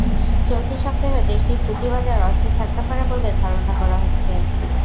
চলতি সপ্তাহেও দেশটির পুঁজিবাজার অস্থির থাকতে পারে বলে ধারণা করা হচ্ছে।